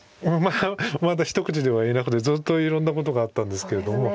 また一口では言えなくてずっといろんなことがあったんですけれども。